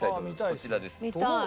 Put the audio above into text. こちらです。